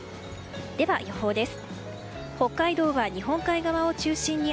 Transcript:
では、予報です。